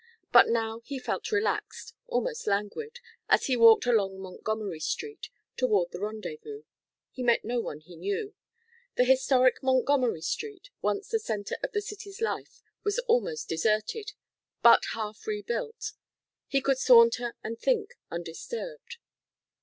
But now he felt relaxed, almost languid, as he walked along Montgomery Street toward the rendezvous. He met no one he knew. The historic Montgomery Street, once the center of the city's life, was almost deserted, but half rebuilt. He could saunter and think undisturbed.